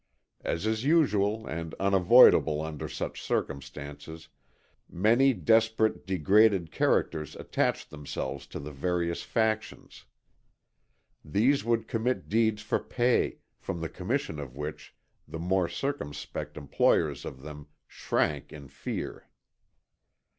As is usual and unavoidable under such circumstances, many desperate, degraded characters attached themselves to the various factions. These would commit deeds for pay, from the commission of which the more circumspect employers of them shrank in fear.